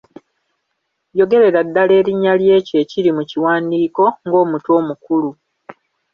Yogerera ddala erinnya ly'ekyo ekiri mu kiwandiiko ng'omutwe omukulu.